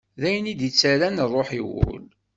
D ayen i d-ittarran rruḥ i wul.